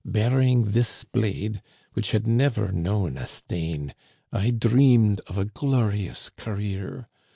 Bearing this blade, which had never known a stain, I dreamed of a glorious career.